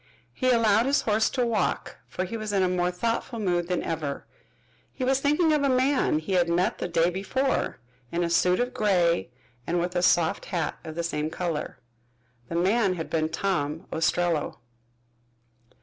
He allowed his horse to walk, for he was in a more thoughtful mood than ever. He was thinking of a man he had met the day before, in a suit of gray and with a soft hat of the same color. The man had been Tom Ostrello.